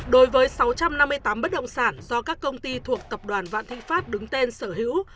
đối với sáu trăm năm mươi tám bất động sản do các công ty thuộc tập đoàn vạn thịnh pháp đứng tên sở hữu